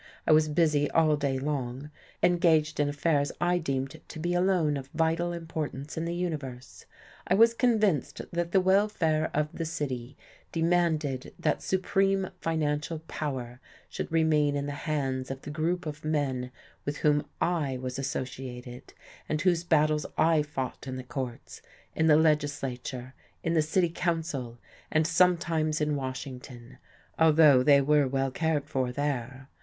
I was busy all day long, engaged in affairs I deemed to be alone of vital importance in the universe. I was convinced that the welfare of the city demanded that supreme financial power should remain in the hands of the group of men with whom I was associated, and whose battles I fought in the courts, in the legislature, in the city council, and sometimes in Washington, although they were well cared for there.